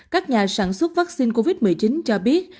các nhà sản xuất vaccine covid một mươi chín cho biết